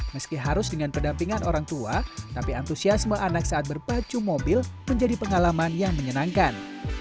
meski harus dengan pendampingan orang tua tapi antusiasme anak saat berpacu mobil menjadi pengalaman yang menyenangkan